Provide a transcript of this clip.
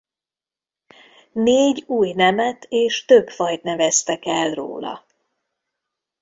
Négy új nemet és több fajt neveztek el róla.